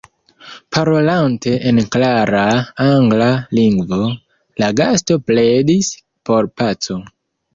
Parolante en klara angla lingvo, la gasto pledis por paco.